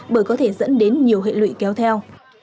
bởi có thể dẫn đến nhiều hệ lụy kéo theo